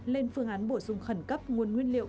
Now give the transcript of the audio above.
lên phương án bổ sung khẩn cấp nguồn nguyên liệu